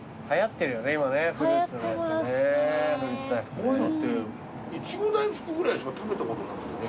こういうのってイチゴ大福ぐらいしか食べたことなくてね。